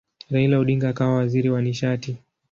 Raila Odinga akawa waziri wa nishati.